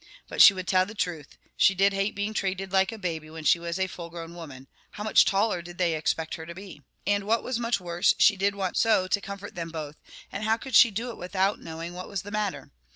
But she would tell the truth, she did hate being treated like a baby when she was a full grown woman; how much taller did they expect her to be? And what was much worse, she did want so to comfort them both, and how could she do it without knowing what was the matter?